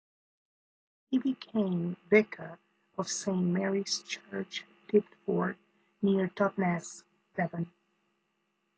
He became vicar of Saint Mary's Church Diptford near Totnes, Devon.